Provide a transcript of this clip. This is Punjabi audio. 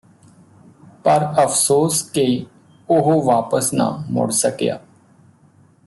ਪਰ ਅਫਸੋਸ ਕਿ ਉਹ ਵਾਪਸ ਨਾ ਮੁੜ ਸਕਿਆ